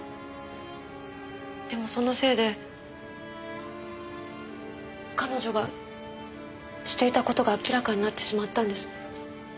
でもそのせいで彼女がしていた事が明らかになってしまったんです。